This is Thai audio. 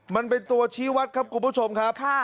มันเป็นตัวชี้วัดครับคุณผู้ชมครับ